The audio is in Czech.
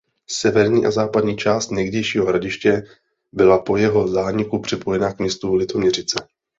Severní a západní část někdejšího hradiště byla po jeho zániku připojena k městu Litoměřice.